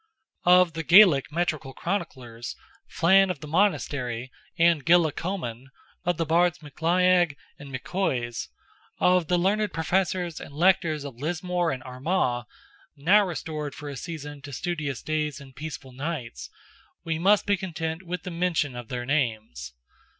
Of the Gaelic metrical chroniclers, Flann of the Monastery, and Gilla Coeman; of the Bards McLiag and McCoisse; of the learned professors and lectors of Lismore and Armagh—now restored for a season to studious days and peaceful nights, we must be content with the mention of their names.